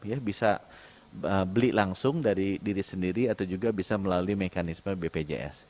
ya bisa beli langsung dari diri sendiri atau juga bisa melalui mekanisme bpjs